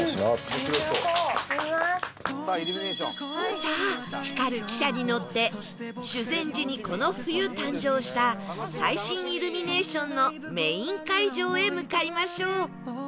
さあ光る汽車に乗って修善寺にこの冬誕生した最新イルミネーションのメイン会場へ向かいましょう